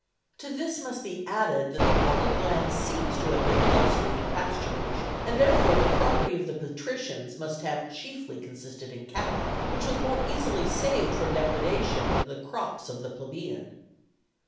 To this must be added that the public land seems to have been mostly in pasturage, and therefore the property of the patricians must have chiefly consisted in cattle, which was more easily saved from depredation than the crops of the plebeian.